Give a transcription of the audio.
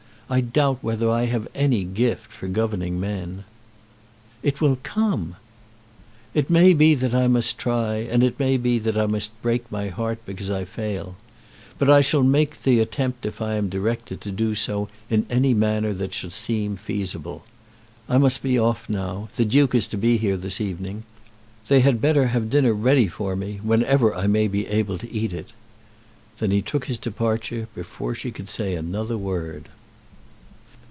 I doubt whether I have any gift for governing men." "It will come." "It may be that I must try; and it may be that I must break my heart because I fail. But I shall make the attempt if I am directed to do so in any manner that shall seem feasible. I must be off now. The Duke is to be here this evening. They had better have dinner ready for me whenever I may be able to eat it." Then he took his departure before she could say another word.